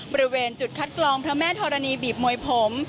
บริเวณจุดคัดกรองพระแม่ธรณีบีบมวยผม